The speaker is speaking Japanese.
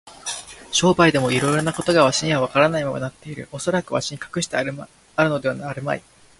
商売でもいろいろなことがわしにはわからないままになっている。おそらくわしに隠してあるのではあるまい。